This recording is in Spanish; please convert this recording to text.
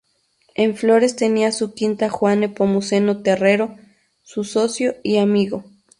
En Flores tenía su quinta Juan Nepomuceno Terrero, su socio y amigo.